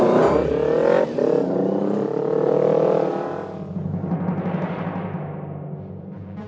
lo siap aja makasih